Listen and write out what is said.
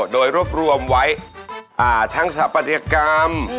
โดยรวบรวมไว้ทั้งสถาปัตยกรรม